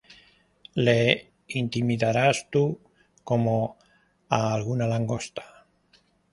¿Le intimidarás tú como á alguna langosta?